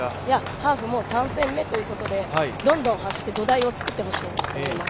ハーフ３戦目ということでどんどん走って土台をつくってほしいと思います。